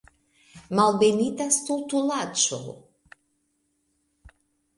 Malbenita stultulaĉo.